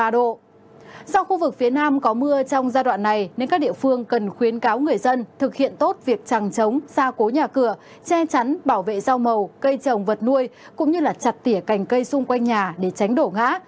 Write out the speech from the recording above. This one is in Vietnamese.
do khu vực phía nam có mưa trong giai đoạn này nên các địa phương cần khuyến cáo người dân thực hiện tốt việc chẳng chống xa cố nhà cửa che chắn bảo vệ rau màu cây trồng vật nuôi cũng như chặt tỉa cành cây xung quanh nhà để tránh đổ ngã